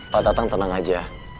pak tatang tenang aja